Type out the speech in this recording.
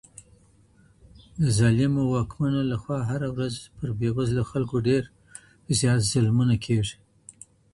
د ظالمو واکمنو لخوا هره ورځ پر بېوزلو خلګو ډېر زیات ظلمونه کېږي.